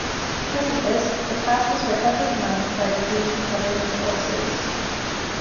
Because of this, the passes were heavily mined by Rhodesian government forces.